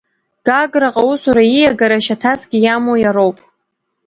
Гаграҟа усура ииагара шьаҭасгьы иамоу иароуп.